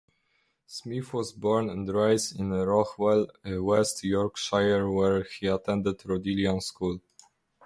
Smith was born and raised in Rothwell, West Yorkshire, where he attended Rodillian School.